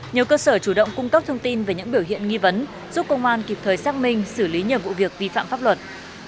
nhiều cơ sở chủ động cung cấp thông tin về những biểu hiện nghi vấn giúp công an kịp thời xác minh xử lý nhiều vụ việc vi phạm pháp luật